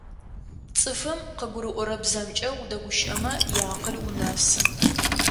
Цӏыфым къыгурыӏорэ бзэмкӏэ удэгущыӏэмэ иакъыл унэсы.